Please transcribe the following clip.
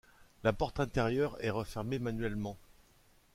La porte intérieure est refermée manuellement.